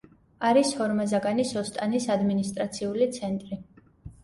არის ჰორმაზაგანის ოსტანის ადმინისტრაციული ცენტრი.